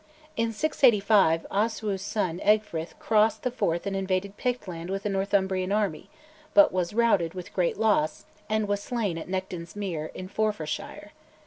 In 685 Oswiu's son Egfrith crossed the Forth and invaded Pictland with a Northumbrian army, but was routed with great loss, and was slain at Nectan's Mere, in Forfarshire.